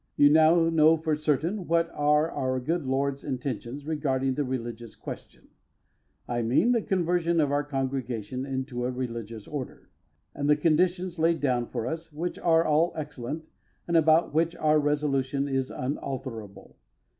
You now know for certain what are our good Lord's intentions regarding the Religious question: I mean the conversion of our Congregation into a Religious Order, with the conditions laid down for us, which are all excellent, and about which our resolution is unalterable.